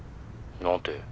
何て？